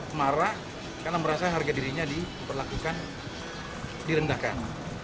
pelaku marah karena merasa harga dirinya diperlakukan direndahkan